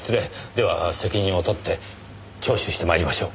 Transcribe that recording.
では責任を取って聴取してまいりましょう。